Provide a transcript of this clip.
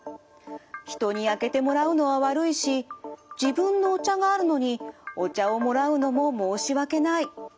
人に開けてもらうのは悪いし自分のお茶があるのにお茶をもらうのも申し訳ない。